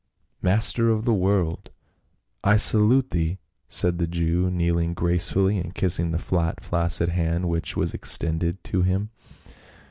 " Master of the world, I salute thee !" said the Jew, kneeling gracefully and kissing the fat flaccid hand which was extended to him.